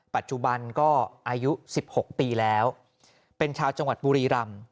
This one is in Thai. ปัจจุบันก็อายุ๑๖ปีแล้วเป็นชาวจังหวัดบุรีรำ